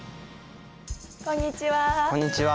こんにちは。